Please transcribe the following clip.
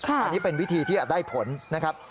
อันนี้เป็นวิธีที่ได้ผลนะครับ